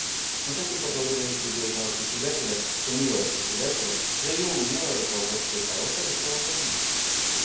Мы хотим поблагодарить любезного Председателя — сеньору Председателя — за ее умелое руководство и хорошее расположение.